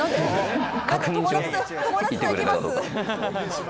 確認します、行ってくれたかどうか。